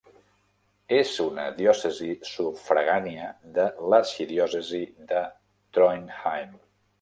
És una diòcesi sufragània de l'arxidiòcesi de Trondheim.